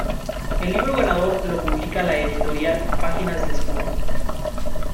El libro ganador lo publica la editorial Páginas de Espuma.